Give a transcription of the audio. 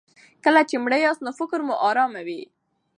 کله چې مړه یاست نو فکر مو ارام وي.